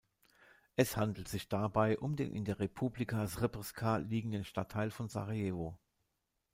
Es handelt sich dabei um den in der Republika Srpska liegenden Stadtteil von Sarajevo.